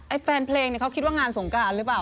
แฟนเพลงเนี่ยเขาคิดว่างานสงการหรือเปล่า